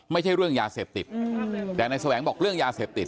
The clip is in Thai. ไม่ใช่เรื่องยาเสพติดแต่นายแสวงบอกเรื่องยาเสพติด